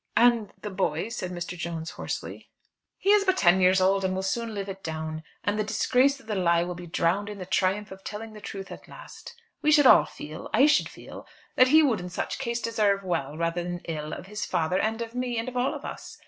"And the boy?" said Mr. Jones hoarsely. "He is but ten years old, and will soon live it down. And the disgrace of the lie will be drowned in the triumph of telling the truth at last. We should all feel, I should feel, that he would in such case deserve well, rather than ill, of his father and of me, and of all of us.